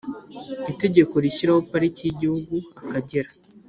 Itegeko rishyiraho Pariki y Igihugu y Akagera